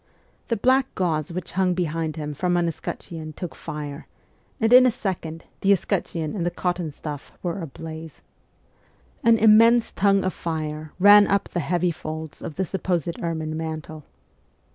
The black gauze which hung behind him from an escutcheon took fire, and in a second the escutcheon and the cotton stuff were ablaze. An immense tongue of fire ran up the heavy folds of the supposed ermine mantle.